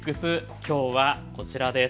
きょうはこちらです。